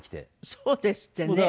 そうですってね。